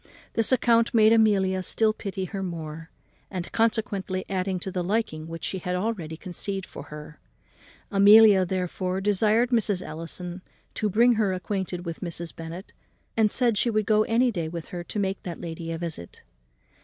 This account made Amelia still pity her more, and consequently added to the liking which she had already conceived for her. Amelia, therefore, desired Mrs. Ellison to bring her acquainted with Mrs. Bennet, and said she would go any day with her to make that lady a visit.